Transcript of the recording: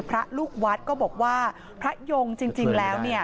พระลูกวัดก็บอกว่าพระยงสภาพจริงแล้ว